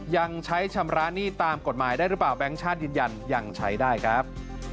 ยังใช้ชำระหนี้ตามกฎหมายได้หรือเปล่าแบงค์ชาติยืนยันยังใช้ได้ครับ